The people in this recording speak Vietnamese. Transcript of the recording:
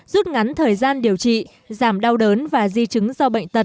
rút ngắn thời gian điều trị giảm đau đớn và di chứng do bệnh tật